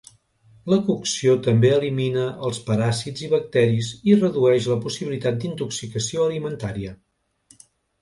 La cocció també elimina els paràsits i bacteris i redueix la possibilitat d'intoxicació alimentària.